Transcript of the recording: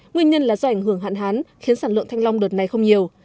nguyên nhân là do ảnh hưởng hạn hán khiến sản lượng thanh long đợt này không nhiều